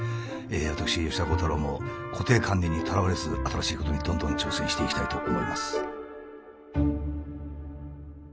私吉田鋼太郎も固定観念にとらわれず新しいことにどんどん挑戦していきたいと思います。